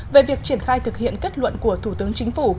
về việc triển khai thực hiện kết luận của thủ tướng chính phủ